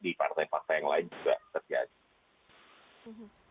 di partai partai yang lain juga terjadi